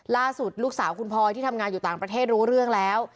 ล่าสุดลูกสาวคุณพลอยที่ทำงานอยู่ต่างประเทศรู้เรื่องแล้ว